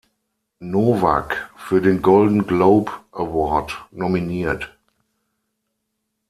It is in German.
Novak" für den Golden Globe Award nominiert.